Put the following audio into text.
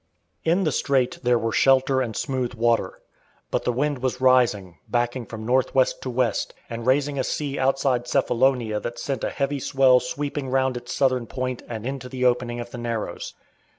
In the strait there were shelter and smooth water, but the wind was rising, backing from north west to west, and raising a sea outside Cephalonia that sent a heavy swell sweeping round its southern point and into the opening of the narrows.